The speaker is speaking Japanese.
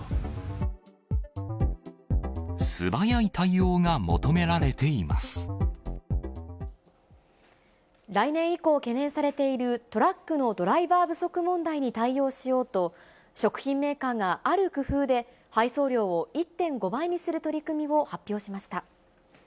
素早い対応が求められていま来年以降、懸念されているトラックのドライバー不足問題に対応しようと、食品メーカーがある工夫で、配送量を１．５倍にする取り組みを発表しました。